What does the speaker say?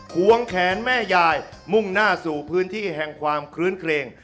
ควงแขนแม่ยายมุ่งหน้าสู่พื้นที่แห่งความคลื้นเครง